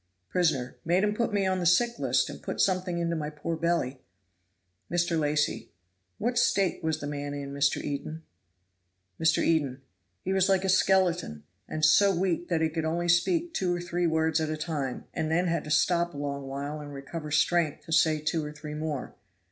Prisoner. "Made 'em put me on the sick list, and put something into my poor belly." Mr. Lacy. "What state was the man in, Mr. Eden?" Mr. Eden. "He was like a skeleton, and so weak that he could only speak two or three words at a time, and then had to stop a long while and recover strength to say two or three more.